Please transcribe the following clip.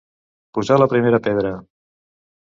Posar la primera pedra.